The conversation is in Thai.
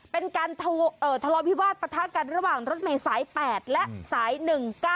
เป็นการทะเลาะพิวาสประทะกันระหว่างรถเมษายน๘และรถเมษายน๑๙๑